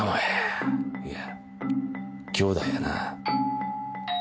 いや兄弟やな。